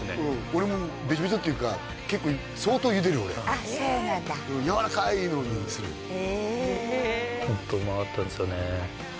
俺もベチャベチャっていうか結構相当ゆでるよ俺あっそうなんだやわらかいのにするへえホントうまかったんですよね